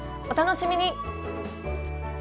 お楽しみに！